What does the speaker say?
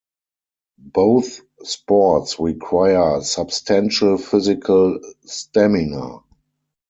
Both sports require substantial physical stamina.